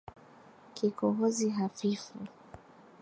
Kikohozi hafifu